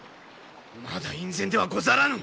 まだ院宣ではござらぬ！